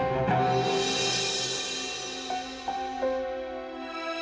dia juga sangat berharga